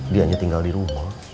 dia hanya tinggal di rumah